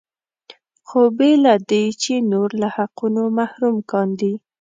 خو بې له دې چې نور له حقونو محروم کاندي.